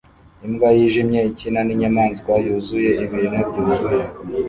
Imbwa yijimye ikina ninyamaswa yuzuye ibintu byuzuye